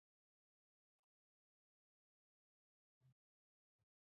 رحمان بابا په دې اړه فرمایي.